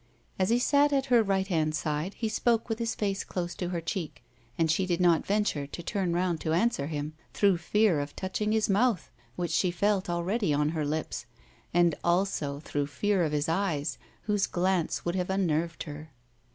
As he sat at her right hand side, he spoke with his face close to her cheek; and she did not venture to turn round to answer him, through fear of touching his mouth, which she felt already on her lips, and also through fear of his eyes, whose glance would have unnerved her.